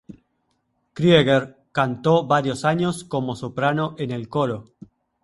Krieger cantó varios años como soprano en el coro.